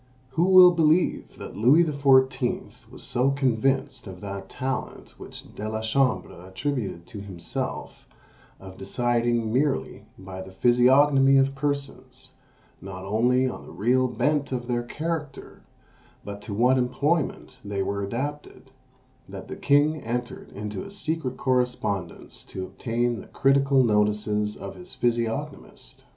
Who will believe that Louis XIV. was so convinced of that talent which De la Chambre attributed to himself, of deciding merely by the physiognomy of persons, not only on the real bent of their character, but to what employment they were adapted, that the king entered into a secret correspondence to obtain the critical notices of his _physiognomist?